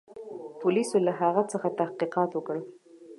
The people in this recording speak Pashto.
پولیسو له هغه څخه تحقیقات وکړل.